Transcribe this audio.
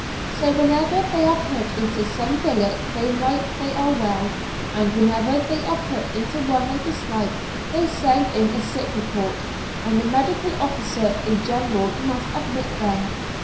So whenever they are put into some billet they like they are well, and whenever they are put into one they dislike they send in a sick report, and the medical officer in general must admit them.